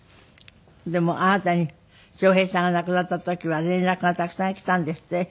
でもあなたに笑瓶さんが亡くなった時は連絡がたくさんきたんですって？